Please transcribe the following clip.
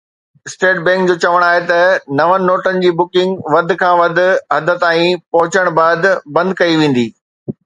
state bank جو چوڻ آهي ته نون نوٽن جي بکنگ وڌ کان وڌ حد تائين پهچڻ بعد بند ڪئي ويندي